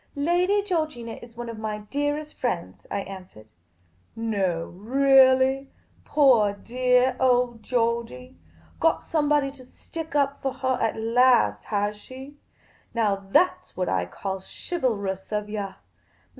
" Lady Georgina is one cf my dearest friends," I answered. " No, reahliy ? Poor deah old Georgey ! Got somebody to stick up for her at last, has she ? Now that 's what I call chivalrous of yah.